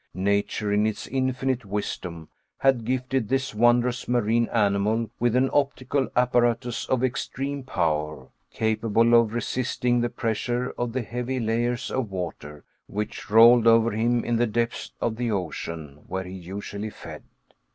Nature in its infinite wisdom had gifted this wondrous marine animal with an optical apparatus of extreme power, capable of resisting the pressure of the heavy layers of water which rolled over him in the depths of the ocean where he usually fed.